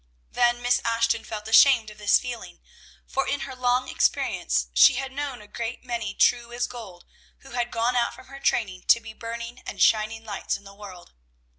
Then Miss Ashton felt ashamed of this feeling; for in her long experience she had known a great many true as gold, who had gone out from her training to be burning and shining lights in the world.